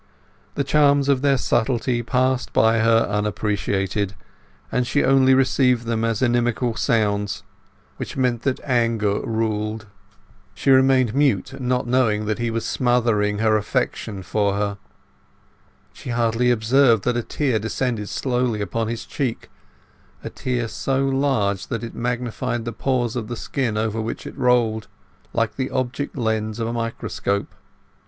The charms of their subtlety passed by her unappreciated, and she only received them as inimical sounds which meant that anger ruled. She remained mute, not knowing that he was smothering his affection for her. She hardly observed that a tear descended slowly upon his cheek, a tear so large that it magnified the pores of the skin over which it rolled, like the object lens of a microscope.